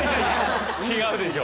違うでしょ！